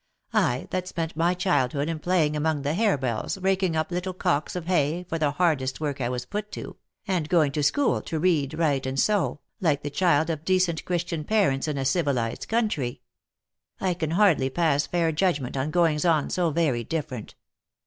I, that spent my childhood in playing among the hairbells, raking up little cocks of hay for the hardest work I was put to, and going to school to read, write, and sew, like the child of decent Christian parents in a civilized country — I can hardly pass fair judgment on goings on so very different.